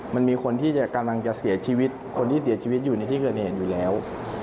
มันมีคนที่กำลังจะเสียชีวิตคนที่เสียชีวิตอยู่ในที่เกิดเหตุอยู่แล้ว